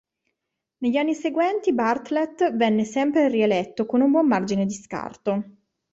Negli anni seguenti Bartlett venne sempre rieletto con un buon margine di scarto.